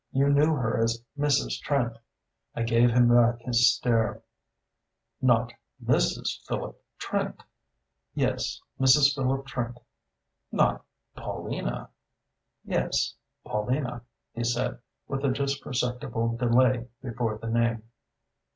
You knew her as Mrs. Trant." I gave him back his stare. "Not Mrs. Philip Trant?" "Yes; Mrs. Philip Trant." "Not Paulina?" "Yes Paulina," he said, with a just perceptible delay before the name.